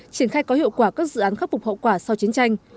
triển khai có hiệu quả các dự án khắc phục hậu quả sau chiến tranh